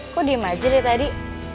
kok diem aja deh tadi